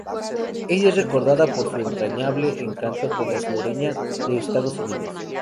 Ella es recordada por su entrañable encanto como sureña de Estados Unidos.